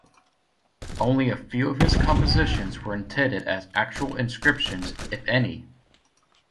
Only a few of his compositions were intended as actual inscriptions, if any.